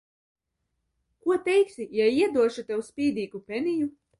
Ko teiksi, ja iedošu tev spīdīgu peniju?